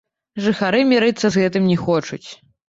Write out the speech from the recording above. Жыхары мірыцца з гэтым не хочуць.